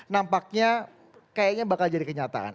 nampaknya kayaknya bakal jadi kenyataan